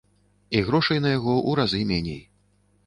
І грошай на яго ў разы меней.